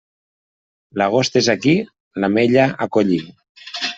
L'agost és aquí?, l'ametlla a collir.